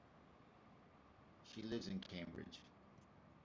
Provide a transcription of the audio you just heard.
She lives in Cambridge.